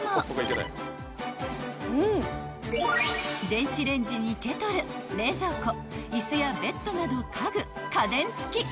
［電子レンジにケトル冷蔵庫椅子やベッドなど家具家電付き］